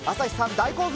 大興奮。